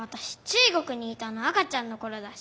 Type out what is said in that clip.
中国にいたの赤ちゃんのころだし。